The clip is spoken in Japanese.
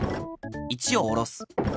１をおろす。